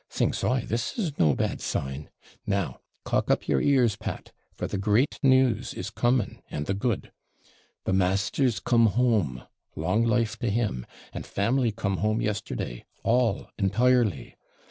Thinks I, this is no bad sign! Now, cock up your ears, Pat! for the great news is coming, and the good. The master's come home long life to him! and family come home yesterday, all entirely!